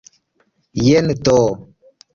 Jen do!